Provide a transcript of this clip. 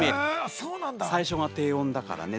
最初が低温だからね。